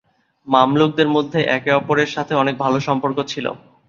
মামলুকদের মধ্যে একে অপরের সাথে অনেক ভালো সম্পর্ক ছিল।